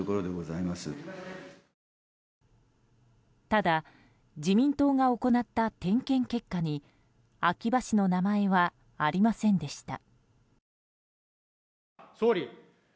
ただ自民党が行った点検結果に秋葉氏の名前はありませんでした。